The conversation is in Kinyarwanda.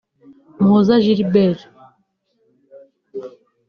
Muhoza Gilbert